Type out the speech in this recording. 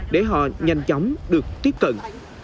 để họ nhanh chóng được tiếp cận